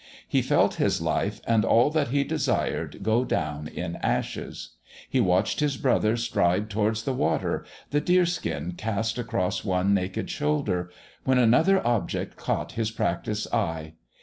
He felt his life and all that he desired go down in ashes.... He watched his brother stride towards the water, the deer skin cast across one naked shoulder when another object caught his practised eye.